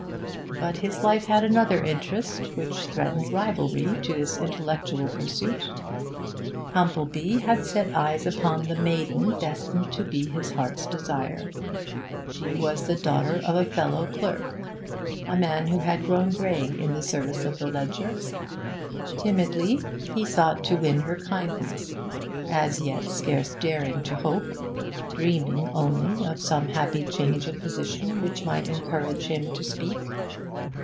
But his life had another interest, which threatened rivalry to this intellectual pursuit. Humplebee had set eyes upon the maiden destined to be his heart's desire; she was the daughter of a fellow clerk, a man who had grown grey in service of the ledger; timidly he sought to win her kindness, as yet scarce daring to hope, dreaming only of some happy change of position which might encourage him to speak.